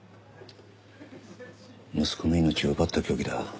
息子の命を奪った凶器だ。